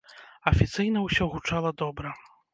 Афіцыйна усё гучала добра.